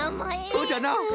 そうじゃな！